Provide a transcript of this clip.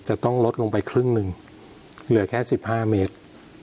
จะต้องลดลงไปครึ่งหนึ่งเหลือแค่๑๕เมตร